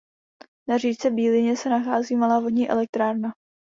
Na říčce Bílině se nachází malá vodní elektrárna.